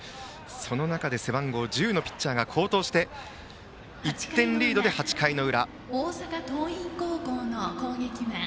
その中で背番号１０のピッチャーが好投して１点リードで８回の裏。